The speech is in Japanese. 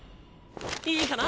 いいかな？